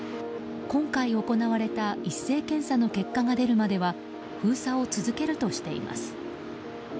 今回行われた一斉検査の結果が出るまでは封鎖を続けるとしています。